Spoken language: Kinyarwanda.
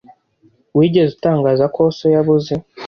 Wigeze utangaza ko so yabuze